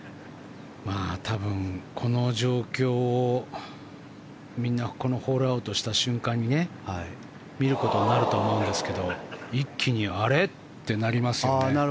多分この状況を、みんなこのホールアウトした瞬間に見ることになると思うんですが一気にあれ？ってなりますよね。